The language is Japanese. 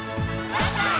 ワッショイ！」